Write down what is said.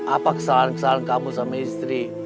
apa kesalahan kesalahan kamu sama istri